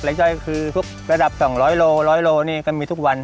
หลายย่อยคือธุ๊กระดับ๒๐๐โลนี่ก็มีทุกวัน